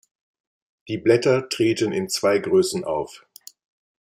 Die Blätter treten in zwei Größen auf.